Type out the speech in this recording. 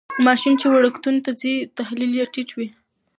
ماشوم چې وړکتون ته ځي تحلیل یې ټیټ وي.